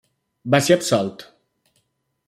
Va ser absolt.